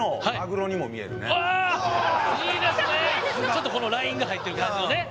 ちょっとこのラインが入ってる感じのね。